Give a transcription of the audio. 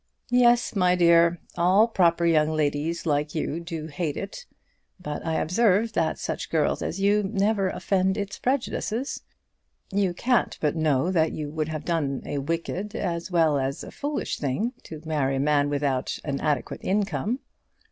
"Yes, my dear; all proper young ladies like you do hate it. But I observe that such girls as you never offend its prejudices. You can't but know that you would have done a wicked as well as a foolish thing to marry a man without an adequate income."